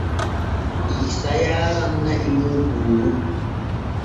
Iisa yaaran nun na’i mum gooru.